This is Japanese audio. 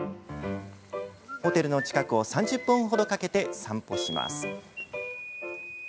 ホテルの近くを３０分ほどかけて散歩します。